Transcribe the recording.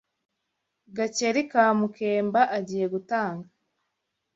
Gakeli ka Mukemba agiye gutanga